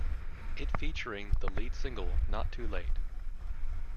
It featuring the lead single "Not Too Late".